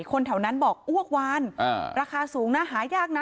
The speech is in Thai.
คนแถวนั้นบอกอ้วกวานราคาสูงนะหายากนะ